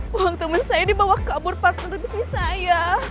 buang teman saya dibawa kabur partner bisnis saya